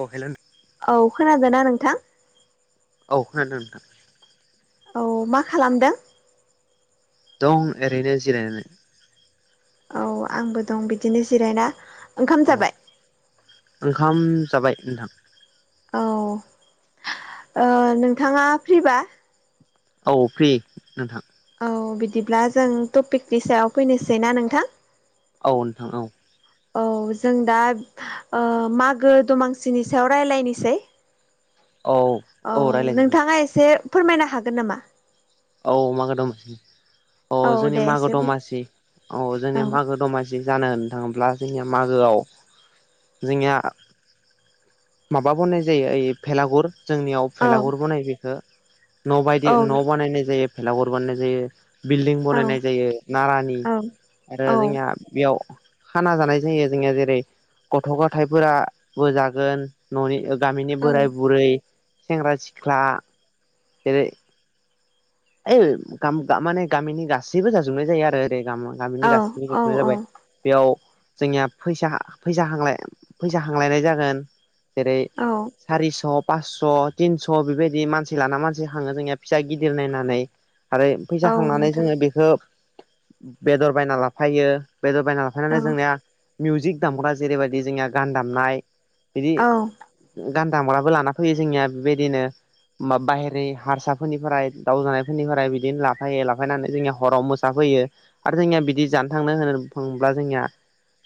अ hello नो औ खोनादोंना नोंथां औ खोनादों नोंथां औ मा खालामदों दं ओरैनो जिरायनानै औ आंबो दं बिदिनो जिरायना ओंखाम औ जाबाय ओंखाम जाबाय नोंथां औ ओ नोंथाङा फ्रिबा औ फ्रि नोंथां औ बिदिब्ला जों टपिकनि सायाव फैनोसैना नोंथां औ नोंथां औ औ जों दा ओ मागो दमांसिनि सायाव रायज्लायनोसै औ औ नोंथाङा एसे फोरमायनो हागोन नामा औ मागो दमासि औ जोंनिया दे मागो एसे बुं दमासि औ जोंनिया मागो दमासि जि जानो नोंथां ब्ला जोंनिया मागोआव जोंनिया माबा बनाय जायो ओइ भेलागुर जोंनियाव औ भेलागुर बनायो बेखौ न' बायदि औ न' बनायनाय जायो भेलागुर बानायनाय जायो बिल्डिं औ बनायनाय जायो नारानि औ आरो औ जोंहा बेयाव खाना जानाय जायो जोंनिया जेरै गथ' गथायफोराबो जागोन न'नि गामिनि औ बोराय बुरै सेंग्रा सिख्ला जेरै ओइ गाम गा माने गामिनि गासैबो जाजोबनाय जायो आरो ओरै गाम गामिनि गासैबो औ जाजोबनाय जाबाय बेयाव जोंनिया फैसा फैसा खांलाय फैसा खांलायनाय जागोन जेरै औ सारि सब फासस' थिनस' बेबायदि मानसि लाना मानसि खाङो जोंनिया फिसा गिदिर नायनानै आरो फैसा औ खांनानै नोंथां जोङो बेखौ बेदर बायना लाफायो बेदर बायना औ [unintelligible] जोंनिया मिउजिक दामग्रा जेरैबायदि जोंनिया गान दामनाय बिदि औ गान दामग्राबो लाना फैयो जोंनिया बेबायदिनो बाहेरनि हारसाफोरनिफ्राय दाउ जानायफोरनिफ्राय बिदिनो लाफायो लाफायनानै जोंनि हराव मोसाफैयो आरो जोंनिया बिदि जानो थांनो होनोब्ला जोंनिया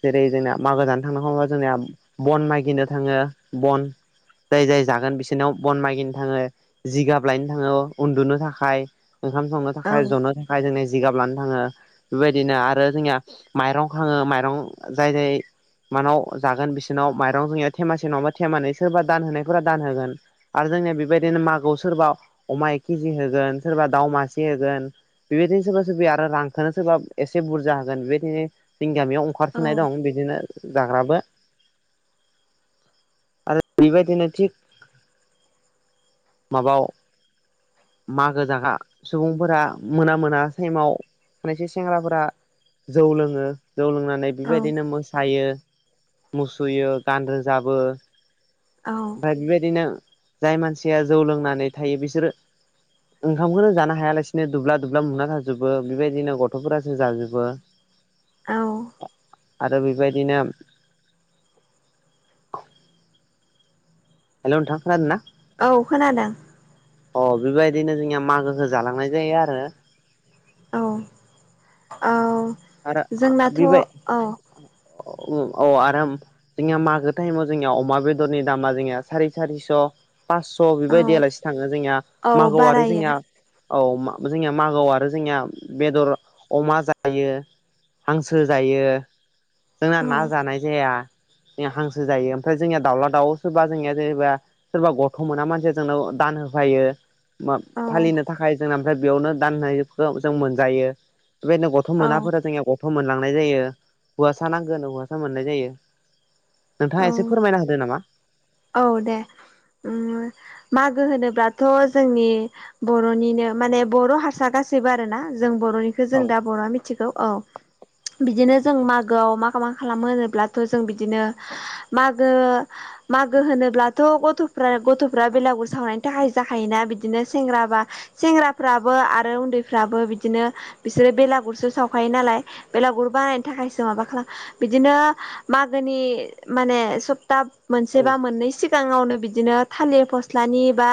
जेरै जोंना मागो जानो थांनाय खमायाव जोंनिया बन मागिनो थाङो बन जाय जाय जागोन बिसोरनिव बन मागिनो थाङो जिगाब लायनो थाङो उन्दुनो था खाय ओंखाम संनो औ थाखाय जनो थाखाय जोंनिया जिगाब लानो थाङो बेबायदिनो आरो जोंनिया माइरं खाङो माइरं जाय जाय मानाव जागोन बिसोरनाव माइरं जोंनिया थेमा नङाबा थेमानै सोरबा दान होनायफोरा दान होगोन आरो जोंनिया बेबायदिनो मागोआव सोरबा अमा एक केजि होगोन सोरबा दाउ मासे होगोन बेबायदिनो सोरबा सोरबाया आरो रांखोनो सोरबा एसे बुरजा होगोन बेबायदिनो जोंनि गामियाव खारसोनाय दं बिदिनो जाग्राबो आरो बेबायदिनो थिग माबाव मागो जागा सुबुंफोरा मोना मोना टाइमाव माने एसे सेंग्राफोरा जौ लोङो जौ लोंनानै औ बेबायदिनो मोसायो मुसुयो गान रोजाबो औ ओमफ्राय बेबायदिनो जाय मानसिया जौ लोंनानै थायो बिसोरो ओंखामखौनो जानो हायालासिनो दुब्ला दुब्ला उनदुना थाजोबो बेबायदिनो गथ'फोरासो जाजोबो। औ आरो बेबायदिनो हेलौ नोंथां खोनादों ना? औ खोनादों अ बेबायदिनो जोंनिया मागोखौ जालांनाय जायो आरो। औ औ आरो जोंनाथ' बेबाय औ औ आरो जोंनिया मागो टाइमाव जोंनिया अमा बेदरनि दामा जोंनिया सारि सारिस' फासस' औ बेबायदियालासि थाङो जोंनिया औ मागोआव आरो बारायो जोंनिया औ जोंनिया मागोआव आरो जोंनिया बेदर अमा जायो। हांसो जायो जोंना औ ना जानाय जाया। हांसो जायो। ओमफ्राय जोंनिया दाउला दाउ सोरबा जोंनिया जेनबा सोरबा गथ' मोना मानसिया जोंनाव दान होफायो। औ फालिनो थाखाय जों ओमफ्राय बेयावनो दाननायखौ जों मोनजायो। बेबायदिनो गथ' औ मोनाफोरा जोंनिया गथ' मोनलांनाय जायो हौवासा नांगोन हौवासा मोननाय जायो। औ नोंथाङा एसे फोरमायनो हादों नामा? औ दे मागो उम होनोब्लाथ' जोंनि बर'निनो माने बर' हारसा गासैबो आरो ना जों बर'निखौ औ जों दा बर'आ मि मिथिगौ औ बिदिनो जों मागोआव मा मा खालामो होनोब्लाथ' जों बिदिनो मागो मागो होनोब्लाथ' गथ'फ्रा गथ'फ्रा बेलागुर सावनायनि थाखाय जाखायोना बिदिनो सेंग्रा बा सेंग्राफ्राबो आरो उन्दैफ्राबो बिदिनो बिसोरो बेलागुरसो सावखायो नालाय बेलागुर बानायनो थाखायसो माबा खालाम बिदिनो मागोनि माने सप्ता औ मोनसे बा मोननैसिम सिगाङावनो बिदिनो थालिर फस्लानि बा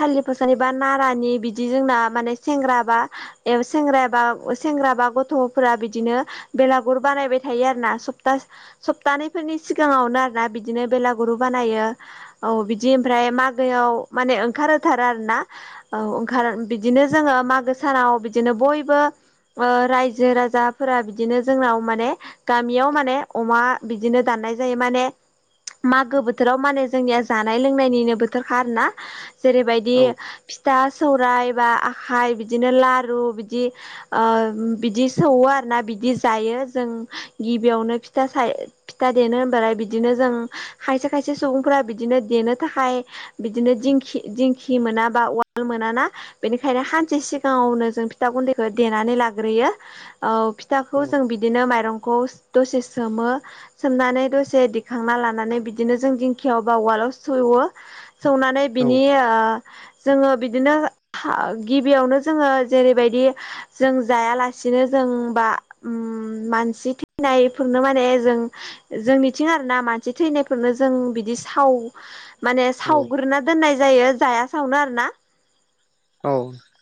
थालि फसलानि बा नारानि बिदि जोंना माने सेंग्रा बा एउ सेंग्रा बा सेंग्रा बा गथ'फोरा बिदिनो बेलागुर बानायबाय थायो आरो ना सता सप्तानै फोरनि सिगाङावनो आरोना बिदिनो बेलागुरु बानायो। औ बिदि ओमफ्राय मागोआव माने ओंखार होथारो आरो ना औ ओंखार बिदिनो जोङो मागो सानाव बिदिनो बयबो रायजो राजाफोरा बिदिनो जोंनाव माने गामियाव माने अमा बि बिदिनो दाननाय जायो माने मागो बोथोराव माने जोंनिया जानाय लोंनायनिनो बोथोरखा आरो ना। जेरैबायदि औ फिथा सौराय बा आखाइ बिदिनो लारु बिदि ओ बिदि सौवो आरो ना बिदि जायो जों गिबियावनो फिथा साय फिथा देनो होनबालाय बिदिनो जों खायसे खायसे सुबुंफोरा बिदिनो देनो थाखाय बिदिनो दिंखि दिंखि मोना बा उवाल मोनाना बेनिखायनो हानसे सिगाङावनो जों फिथा गुन्दैखौ देनानै लाग्रोयो औ फिथाखौ जों बिदिनो माइरंखौ दसे सोमो सोमनानै दसे दिखांना लानानै बिदिनो जों दिंखिायाव बा उवालाव सौवो सौनानै औ बिनि ओ जोंङो बिदिनो गिबियावनो जोंङो जेरैबायदि जों जायालासिनो जों बा उम मानसि थैनायफोरनो माने जों जोंनिथिं आरो ना मानसि थैनायफोरनो जों बिदि साव माने औ सावग्रोना दोननाय जायो जाया सावनो आरो ना औ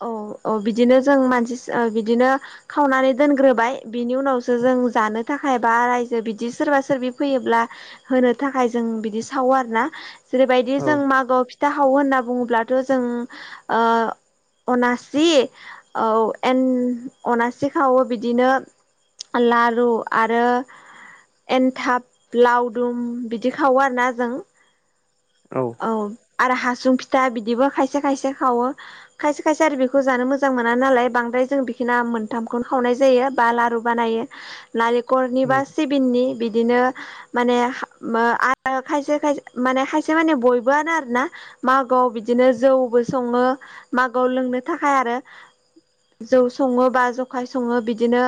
औ औ बिदिनो जों मानसि बिदिनो खावनानै दोनग्रोबाय बिनि उनावसो जों जानो थाखाय बा रायजो बिदि सोरबा सोरबि फैयोब्ला होनो थाखाय जों बिदि सावो आरो ना जेरैबायदि औ जों मागोआव फिथा हावो होनना बुङोब्लाथ' जों अनासि औ एन अनासि खावो बिदिनो लारु आरो एन्थाब लावदुम बिदि खावो आरोना जों औ आरो हासुं फिथा बिदिबो खायसे खायसे खावो खायसे खायसे आर बेखौ जानो मोजां मोना नालाय बांद्राय जों बिखिना मोनथामखौनो खावनाय जायो बा लारु बानायो नालेंखलनि बा सिबिंनि बिदिनो माने खायसे खायसे माने खायसे माने बयबोआनो आरो ना मागोआव बिदिनो जौबो सङो मागोआव लोंनो थाखाय आरो जौ संङो बा जखाय संङो बिदिनो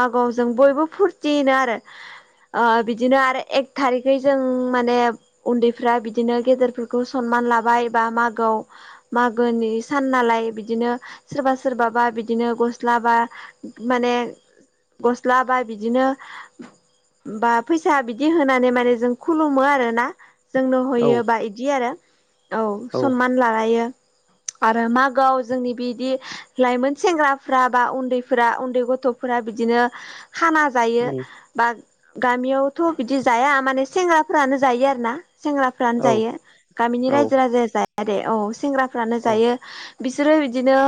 मागोआव जों बयबो फुरथि आरो ओ बिदिनो आरो एक थारिखै जों माने उन्दैफ्रा बिदिनो गेदेरफोरखौ सनमान लाबाय बा मागोआव मागोनि नालाय बिदिनो सोरबा सोरबाबा बिदिनो गस्ला बा माने गस्ला बा बिदिनो बा फैसा बिदि होनानै माने जों खुलुमो आरो ना जोंनो औ होयो बा बिदि आरो औ सनमान लालायो आरो मागोआव जोंनि बिदि लाइमोन सेंग्राफ्रा बा उन्दैफोरा उन्दै गथ'फोरा बिदिनो खाना जायो बा गामियावथ' बिदि जाया माने सेंग्राफोरानो जायो आरोना सेंग्रा फ्रानो जायो गामिनि रायजो राजाया जाया दे औ सेंग्राफ्रानो जायो बिसोरो बिदिनो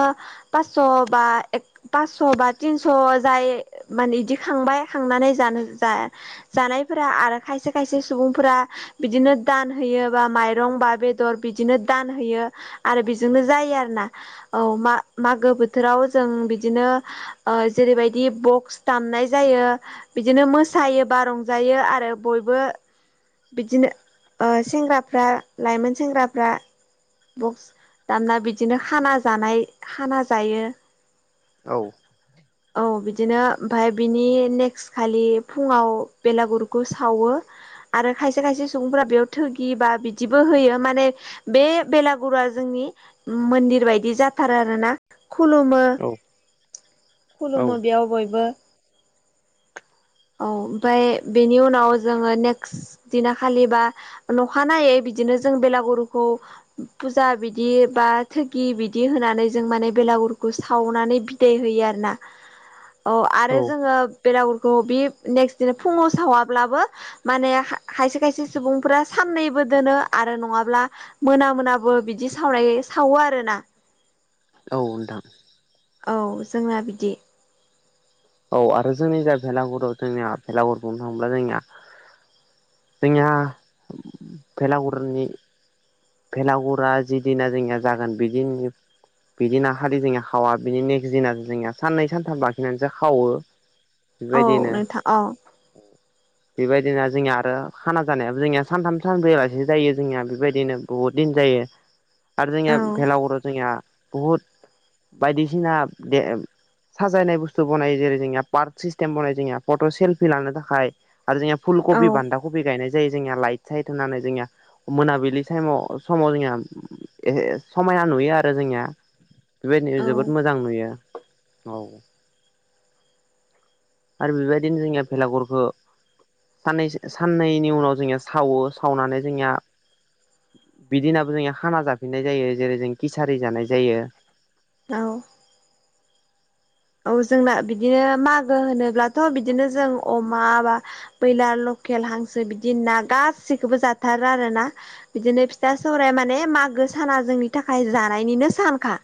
पासस' बा एक पासस' बा तिनस' जाय माने इदि खांबाय खांनानै जानो जा जानायफोरा आरो खायसे खायसे सुबुंफोरा बिदिनो दान होयो बा माइरं बा बेदर बिदिनो दान होयो आरो बेजोंनो जायो खि आरोना औ मा मागो बोथोराव जों बिदिनो ओ जेरैबायदि बक्स दामनाय जायो बिदिनो मोसायो बा रंजायो आरो बयबो बिदिनो ओ सेंग्राफ्रा लाइमोन सेंग्राफ्रा बक्स दामना बिदिनो खाना जानाय खाना जायो औ औ बिदिनो ओमफाय बिनि नेक्स्ट नेक्ट खालि फुङाव बेलागुरखौ सावो आरो खायसे खायसे सुबुंफोरा बेयाव थोगि बा बिदिबो होयो माने बे बेलागुरा जोंनि मोन्दिर बायदि जाथारो आरोना खुलुमो खुलुमो बेयाव बयबो औ ओमाय बेनि उनाव जोङो नेक्स्ट दिना खालिबा नखानायै बिदिनो जों बेलागुरुखौ फुजा बिदि बा थोगि बिदि होनानै जों माने बेलागुरखौ सावनानै दै होयो आरोना अ औ आरो जोङो बेलागुरखौ बे नेक्ट दिनो फुङाव सावाब्लाबो माने खायसे खायसे सुबुंफोरा साननैबो दोनो आरो नङाब्ला मोना मोनाबो बिदि सावराय सावो आरो ना औ नोंथां औ जोंना बिदि औ आरो जोंनि जा भेलागुरि जोंनिया भेलागुरि बुंनो थाङोब्ला जोंनिया जोंनिया भेलागुरनि भेलागुरा जिदिना जोंनिया जागोन बि दिननि बि दिनाखालि जोंनिया खावा बिनि नेक्स्ट दिना जोंनिया साननै सानथाम लाखिनानैसो खावो औ बेबायदिनो नोंथां औ बेबायदिनो जोंनिया आरो खाना जानायाबो जोंनिया सानथाम सानब्रैलासे जायो जोंनिया बेबायदिनो बुहुद दिन जायो आरो औ जोंनिया भेलागुराव जोंनिया बुहुद बायदिसिना बे साजायनाय बुस्थु बनाय जेरै जोंनि पार्क सिस्टेम बानायनाय जोंनिहा फट' सेल्फि लानो थाखाय आरो जोंनिया औ फुलकबि बान्दा कबि गायनाय जायो जोंनिया लाइट साइद होननानै जोंनियि मोनाबिलि टाइमाव समाव जोंनिया समायना नुयो आरो जोंनिया बेबायदिनो जोबोद औ मोजां नुयो औ आरो बेबायदिनो जोंनिया भेलाघरखो सानै साननैनि उनाव जोंनिया सावो सावनानै जोंनिया बिदिनाबो जोंनिया खाना जाफिननाय जायो जेरै जों किसारि जानाय जायो औ औ जोंना बिदिनो मागो होनोब्लाथ बिदिनो जों अमा बा बैलार लकेल हांसो बिदि ना गासैखौबो जाथारो आरोना बिदिनो फिथा सौराइ माने मागो साना जोंनि थाखाय जानायनिनो सानखा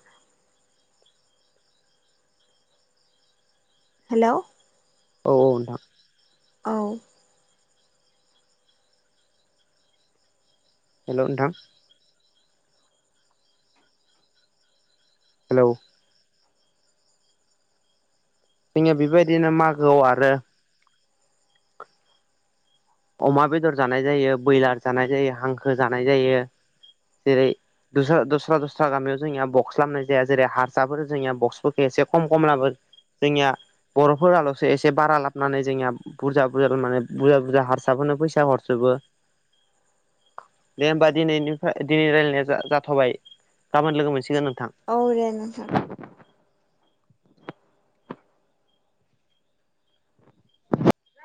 हेलौ औ औ नोंथां औ हेलौ नोंथां हेलौ जोंनिया बेबायदिनो मागोआव आरो अमा बेदर जानाय जायो ब्रयलार जानाय जायो हांखो जानाय जायो जेरै दस दस्रा दस्रा गामियाव जोंनिया बक्स लामनाय जाया जेरै हारसाफोर जोंनिया बक्सफोरखौ एसे खम खम लाबो जोंनिया बर'फोरालसो एसे बारा लाबनानै जोंनिया बुरजा बुरजा माने बुरजा बुरजा हार साफोरनो फैसा हरजोबो दे होमबा दिनैनिफ्राय दिनै रायलायनाया जा जाथबाय गाबोन लोगो मोनसिगोन नोंथां औ दे नोंथां